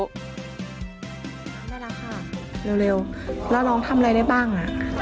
น่ารักค่ะเร็วแล้วน้องทำอะไรได้บ้าง